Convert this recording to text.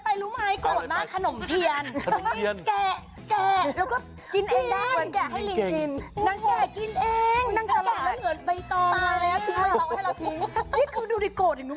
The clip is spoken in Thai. คุณดูดิโกดยังหนูว่านี่แสดงว่าเสนบแค้น